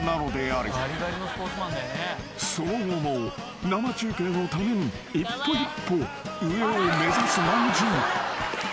［その後も生中継のために一歩一歩上を目指すまんじゅう］